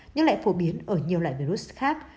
nhưng lại phổ biến ở nhiều loại virus khác